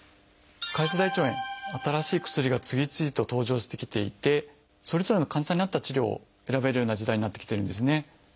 潰瘍性大腸炎新しい薬が次々と登場してきていてそれぞれの患者さんに合った治療を選べるような時代になってきてるんですね。